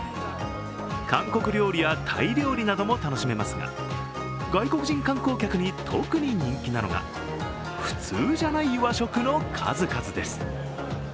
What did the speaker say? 韓国料理やタイ料理なども楽しめますが、外国人観光客に特に人気なのが普通じゃない和食の数々です。